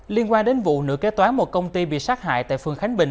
liên quan đến vụ nữ kế toán một công ty bị sát hại tại phường khánh bình